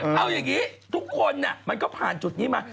เอาอย่างนี้ทุกคนมันก็ผ่านจุดนี้มา